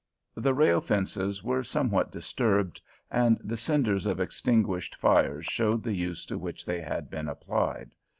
The rail fences were somewhat disturbed, and the cinders of extinguished fires showed the use to which they had been applied.